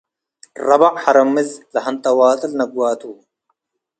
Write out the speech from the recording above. ረበዕ ሐረምዝ - ለሀንጠዋጥል ነግዋቱ